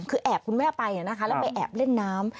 คือแอบคุณแม่ไปแล้วไปแอบเล่นน้ำ